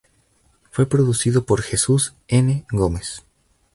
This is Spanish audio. Fue producido por Jesús N. Gómez.